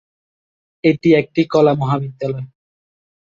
এটি একটি কলা মহাবিদ্যালয়।